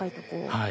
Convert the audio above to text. はい。